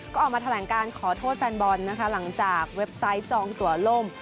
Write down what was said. ก็ออกมาแถลงการขอโทษแฟนบอลนะคะหลังจากเว็บไซต์จองตัวล่ม